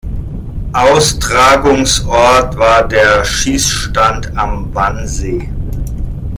Austragungsort war der Schießstand am Wannsee.